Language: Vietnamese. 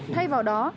thay vào đó